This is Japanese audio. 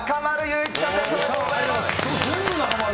おめでとうございます。